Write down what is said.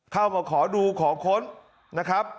เข้ามาขอดูขอค้นนะครับ